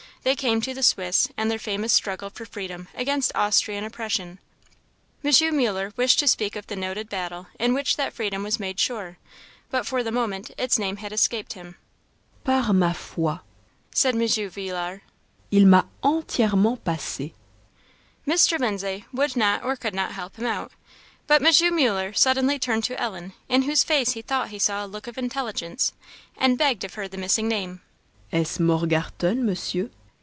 They came to the Swiss, and their famous struggle for freedom against Austrian oppression. M. Muller wished to speak of the noted battle in which that freedom was made sure, but for the moment its name had escaped him. "Par ma foi," said M. Villars, "il m'a entièrement passé!" Mr. Lindsay would not or could not help him out. But M. Muller suddenly turned to Ellen, in whose face he thought he saw a look of intelligence, and begged of her the missing name. "Est ce, Morgarten, Monsieur?"